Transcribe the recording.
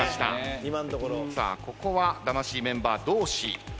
ここは魂メンバー同士。